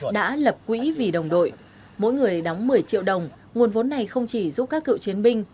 đã lập quỹ vì đồng đội mỗi người đóng một mươi triệu đồng nguồn vốn này không chỉ giúp các cựu chiến binh